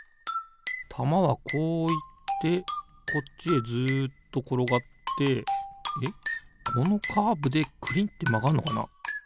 たまはこういってこっちへずっところがってえっこのカーブでくりってまがんのかな？